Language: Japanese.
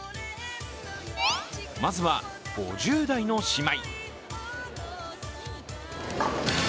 まずは５０代の姉妹。